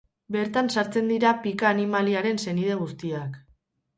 Bertan sartzen dira pika animaliaren senide guztiak.